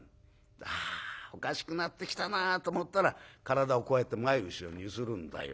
はあおかしくなってきたなと思ったら体をこうやって前後ろに揺するんだよ。